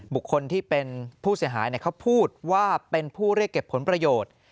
บุคคลที่เป็นผู้เสียหายเขาพูดว่าเป็นผู้เรียกเก็บผลประโยชน์